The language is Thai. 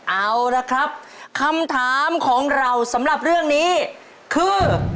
เอาละครับคำถามของเราสำหรับเรื่องนี้คือ